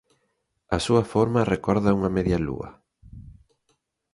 A súa forma recorda a unha media lúa.